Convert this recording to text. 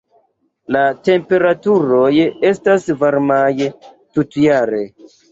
La temperaturoj estas varmaj tutjare.